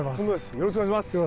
よろしくお願いします。